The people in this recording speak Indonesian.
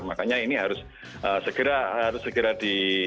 makanya ini harus segera ditindas